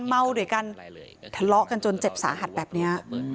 เมาด้วยกันทะเลาะกันจนเจ็บสาหัสแบบนี้